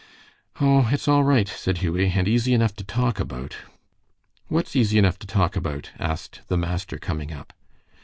"O, it's all right," said Hughie, "and easy enough to talk about." "What's easy enough to talk about?" asked the master, coming up.